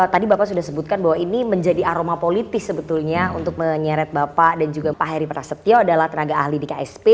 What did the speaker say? tadi bapak sudah sebutkan bahwa ini menjadi aroma politis sebetulnya untuk menyeret bapak dan juga pak heri prasetyo adalah tenaga ahli di ksp